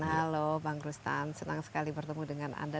halo bang rustan senang sekali bertemu dengan anda